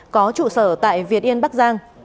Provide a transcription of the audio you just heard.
có trụ sở tại việt yên bắc giang